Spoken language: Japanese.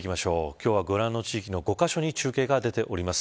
今日はご覧の５カ所に中継が出ております。